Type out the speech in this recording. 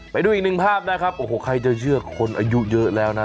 ไปดูอีกหนึ่งภาพนะครับโอ้โหใครจะเชื่อคนอายุเยอะแล้วนะ